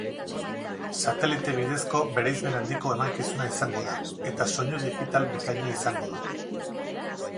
Satelite bidezko bereizmen handiko emankizuna izango da eta soinu digital bikaina izango du.